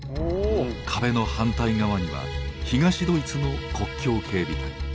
壁の反対側には東ドイツの国境警備隊。